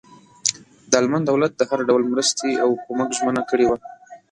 د المان دولت د هر ډول مرستې او کمک ژمنه کړې وه.